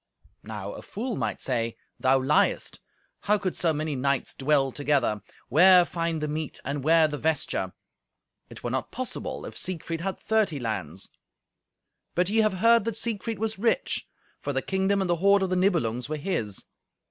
Now a fool might say, "Thou liest. How could so many knights dwell together? Where find the meat, and where the vesture? It were not possible, if Siegfried had thirty lands." But ye have heard that Siegfried was rich, for the kingdom and the hoard of the Nibelungs were his.